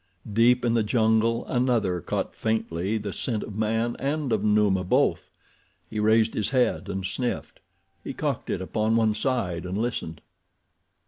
Deep in the jungle another caught faintly the scent of man and of Numa both. He raised his head and sniffed. He cocked it upon one side and listened.